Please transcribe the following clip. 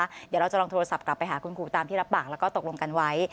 เดี๋ยวเราจะลองโทรศัพท์กลับไปหาคุณครูตามที่รับปากแล้วก็ตกลงกันไว้